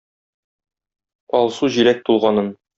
Алсу җиләк тулганын.